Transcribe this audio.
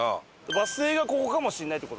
バス停がここかもしれないって事ですよね？